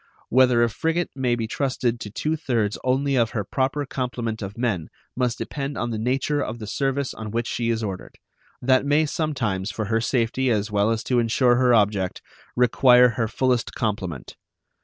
Whether a frigate may be trusted to two thirds only of her proper complement of men must depend on the nature of the service on which she is ordered; that may sometimes, for her safety as well as to insure her object, require her fullest complement.